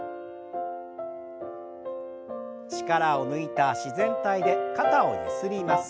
力を抜いた自然体で肩をゆすります。